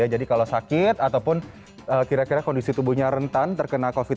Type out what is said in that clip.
jadi kalau sakit ataupun kira kira kondisi tubuhnya rentan terkena covid sembilan belas